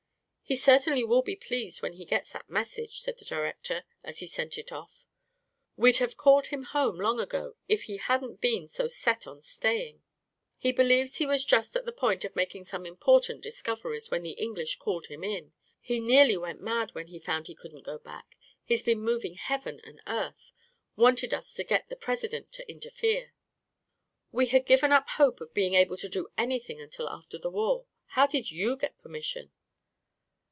" He certainly will be pleased when he gets that message !" said the director, as he sent it off. " We'd have called him home long ago, if he hadn't been so set on staying. He believes he was just at the point of making some important discoveries when the English called him in. He nearly went mad when he found he couldn't go back — he's been moving heaven and earth — wanted us to get the President to interfere. We had given up hope of A KING IN BABYLON 47 being able to do anything until after the war. How did you get permission